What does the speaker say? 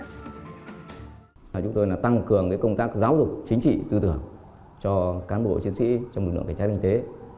cơ sở vật chất để tăng cường công tác giáo dục chính trị tư tưởng cho cán bộ chiến sĩ ngoại trại kinh tế